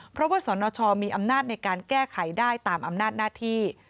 เพราะว่าสนชมีอำนาจในการแก้ไขได้ตามอำนาจหน้าที่